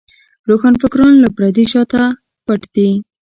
روښانفکران له پردې شاته پټ دي.